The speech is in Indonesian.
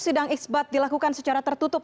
sidang isbat dilakukan secara tertutup